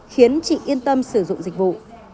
khiến chị yên tâm sử dụng dịch vụ